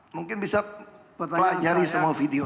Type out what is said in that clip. mungkin bisa pelajari semua video